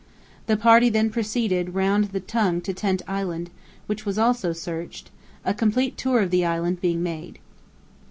The party then proceeded round the Tongue to Tent Island, which was also searched, a complete tour of the island being made.